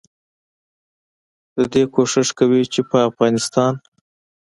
ددې کوشش کوي چې په افغانستان